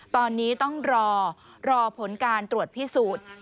ตอนนี้ต้องรอรอผลการตรวจพิสูจน์